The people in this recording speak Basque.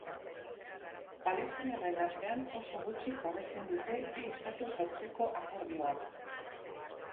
Palestinarren artean oso gutxik babesten dute bi estatu sortzeko akordioa.